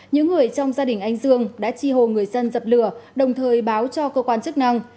những người trong gia đình anh dương đã tri hồ người dân dập lửa đồng thời báo cho cơ quan chức năng